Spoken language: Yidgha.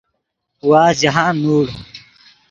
وازد جاہند نوڑ